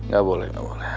gak boleh gak boleh